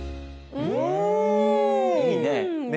いいね。ね。